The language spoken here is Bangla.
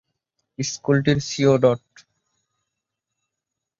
স্কুলটির সিইও ড।